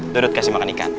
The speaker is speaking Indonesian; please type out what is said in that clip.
duduk kasih makan ikan